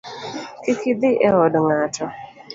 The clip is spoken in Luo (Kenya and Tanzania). Kik idhi e od ng’ato